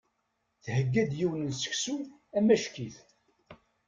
Thegga-d yiwen n seksu amacki-t.